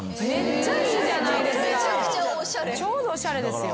ちょうどおしゃれですよ。